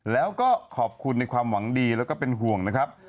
แล้วก็ขอบคุณในความหวังดีแล้วก็เป็นห่วงนะครับ